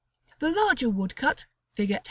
The larger woodcut, Fig. X.